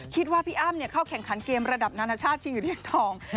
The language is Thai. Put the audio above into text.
พี่อ้ำเข้าแข่งขันเกมระดับนานาชาติชิงอยู่เหรียญทอง